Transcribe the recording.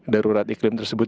darurat iklim tersebut